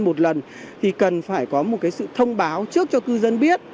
một lần thì cần phải có một sự thông báo trước cho cư dân biết